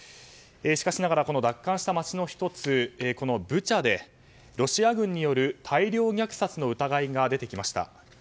しかしながら、奪還した街の１つブチャでロシア軍による大量虐殺の疑いが出てきました。